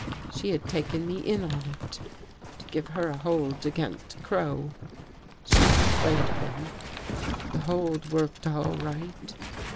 She had taken me in on it, to give her a hold against Crow. She was afraid of him. " The hold worked all right.